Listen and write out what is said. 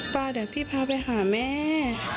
ว่าเดี๋ยวพี่พาไปหาแม่